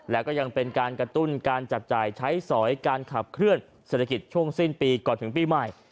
แล้วก็ยังเป็นการกระตุ้นการจับจ่ายใช้สอยการขับเคลื่อนเศรษฐกิจช่วงสิ้นปีก่อนถึงปีใหม่